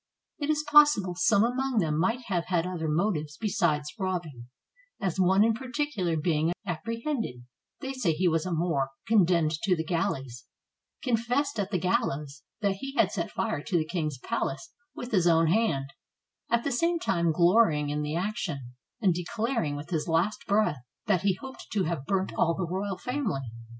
It is possible some among them might have had other motives besides robbing, as one in particular being apprehended (they say he was a Moor, condemned to the galleys), confessed at the gallows, that he had set fire to the king's palace with his own hand; at the same time glorying in the action, and de claring with his last breath that he hoped to have burnt all the royal family.